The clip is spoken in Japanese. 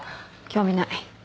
興味ない。